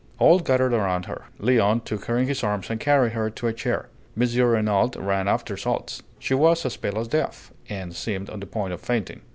All gathered around her. Léon took her in his arms and carried her to a chair. M. Renault ran after salts. She was as pale as death, and seemed on the point of fainting.